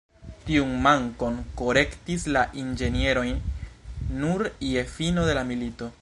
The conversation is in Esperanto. Tiun mankon korektis la inĝenieroj nur je fino de la milito.